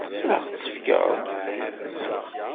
Ad ɣ-tt-tefkeḍ?